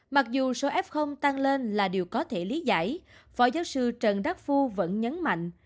mặc dù số f tăng lên là điều có thể lý giải phó giáo sư trần đắc phu vẫn nhấn mạnh